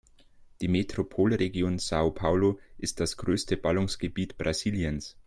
Die Metropolregion São Paulo ist das größte Ballungsgebiet Brasiliens.